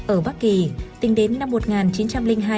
ở bắc kỳ tính đến năm một nghìn chín trăm linh hai